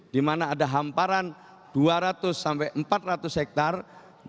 di mana ada hamparan dua ratus sampai empat ratus hektare